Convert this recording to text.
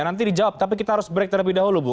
nanti dijawab tapi kita harus break terlebih dahulu bu